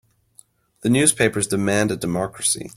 The newspapers demanded democracy.